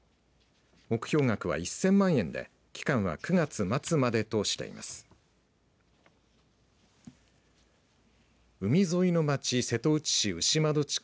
目標額は１０００万円で期間は９月末までとしています。